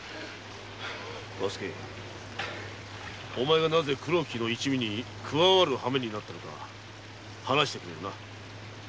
和助お前がなぜ黒木の一味に加わるハメになったのか話してくれるな。